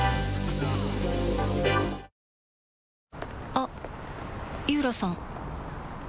あっ井浦さん